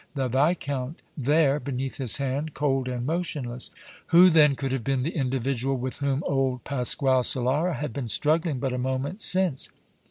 The Viscount there, beneath his hand, cold and motionless! Who then could have been the individual with whom old Pasquale Solara had been struggling but a moment since?